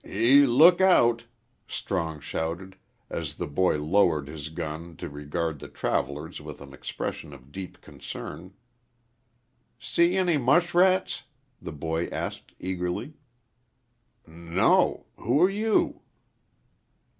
"E look out!" Strong shouted, as the boy lowered his gun to regard the travellers with an expression of deep concern. "See any mushrats?" the boy asked, eagerly. "N no; who're you?"